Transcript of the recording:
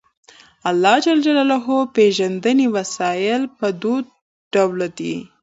د اللَّهِ ج پيژندنې وسايل په دوه ډوله دي